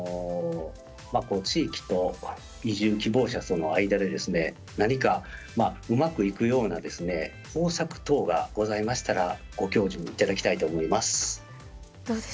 地域と移住希望者さんの間で何かうまくいくような方策等がございましたらご教授いただきたいと思います。